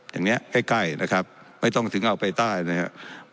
อย่างนี้ใกล้นะครับไม่ต้องถึงเอาไปใต้นะครับ